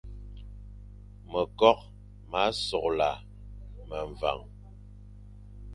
Mekokh ma sola meveñ,